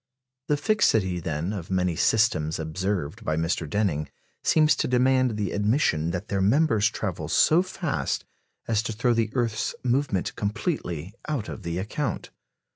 The fixity, then, of many systems observed by Mr. Denning seems to demand the admission that their members travel so fast as to throw the earth's movement completely out of the account.